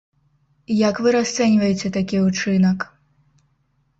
Як вы расцэньваеце такі ўчынак?